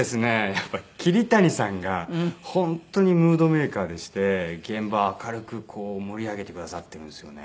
やっぱり桐谷さんが本当にムードメーカーでして現場を明るく盛り上げてくださっているんですよね。